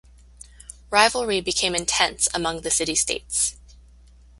Rivalry became intense among the city-states.